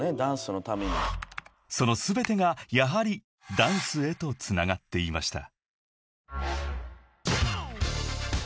［その全てがやはりダンスへとつながっていました］